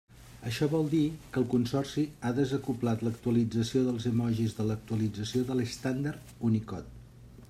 Això vol dir que el consorci ha desacoblat l'actualització dels emojis de l'actualització de l'estàndard Unicode.